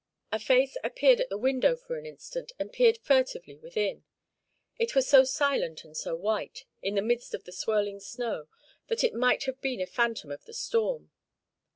'" A face appeared at the window for an instant, and peered furtively within. It was so silent and so white, in the midst of the swirling snow, that it might have been a phantom of the storm.